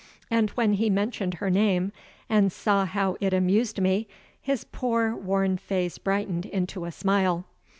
And when he mentioned her name, and saw how it amused me, his poor worn face brightened into a smile.